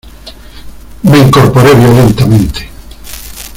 me incorporé violentamente: